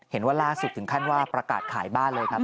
เห็นว่าล่าสุดถึงขั้นว่าประกาศขายบ้านเลยครับ